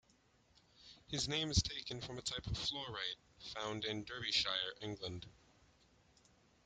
His name is taken from a type of fluorite found in Derbyshire, England.